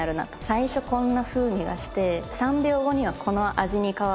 最初こんな風味がして。